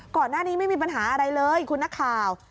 ก่อนหน้านี้ไม่มีปัญหาอะไรเลยคุณนักข่าว